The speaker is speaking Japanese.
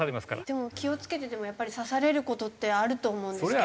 でも気を付けててもやっぱり刺される事ってあると思うんですけど。